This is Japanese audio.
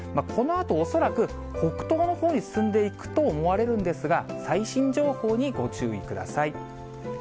このあと恐らく、北東のほうに進んでいくと思われるんですが、最新情報にご注意ください。